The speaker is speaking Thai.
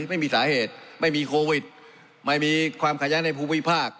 ไม่มีสาเหตุไม่มีโควิดไม่มีความขัดแย้งในภูมิภาค